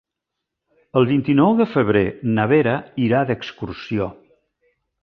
El vint-i-nou de febrer na Vera irà d'excursió.